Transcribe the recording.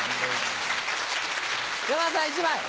山田さん１枚。